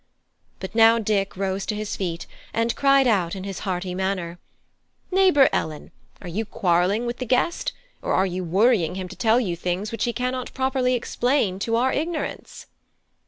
But now Dick rose to his feet and cried out in his hearty manner: "Neighbour Ellen, are you quarrelling with the guest, or are you worrying him to tell you things which he cannot properly explain to our ignorance?"